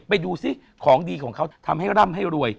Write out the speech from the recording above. ไปดูซิของดีของเขาทำให้ร่ำให้รวย